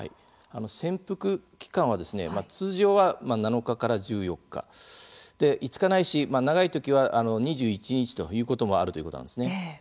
潜伏期間は通常は７日から１４日５日ないし長いときは２１日ということもあるということなんですね。